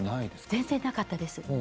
全然なかったです。